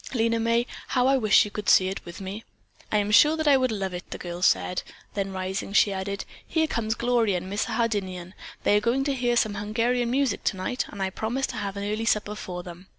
Lena May, how I wish you could see it with me." "I am sure that I would love it," the girl said, then, rising, she added: "Here comes Gloria and Mr. Hardinian. They are going to hear some Hungarian music tonight, and I promised to have an early supper for them.